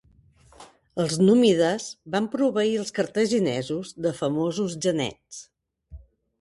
Els númides van proveir els cartaginesos de famosos genets.